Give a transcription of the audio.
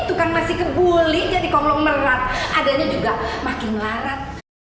itu kan masih kebuli jadi konglom merat adanya juga makin larat